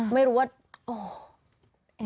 ไม่รู้ว่า